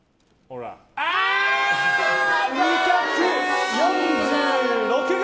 ２４６ｇ！